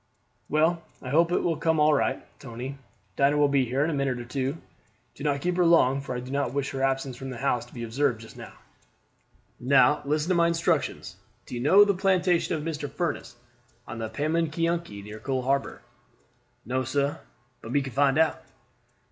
"Well, I hope it will all come right, Tony. Dinah will be here in a minute or two. Do not keep her long, for I do not wish her absence from the house to be observed just now. Now, listen to my instructions. Do you know the plantation of Mr. Furniss, on the Pamunkeyunky, near Coal harbor?" "No, sir; but me can find out."